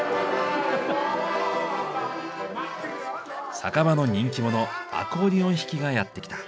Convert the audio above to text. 酒場の人気者アコーディオン弾きがやって来た。